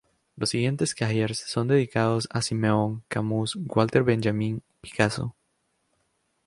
Los siguientes Cahiers son dedicados a Simenon, Camus, Walter Benjamin, Picasso.